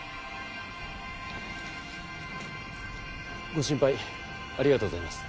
ご心配ありがとうございます。